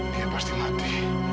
dia pasti mati